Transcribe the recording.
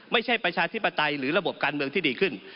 ไม่ใช่ประชาธิบตัยหรือระบบการเมืองที่ดีขึ้น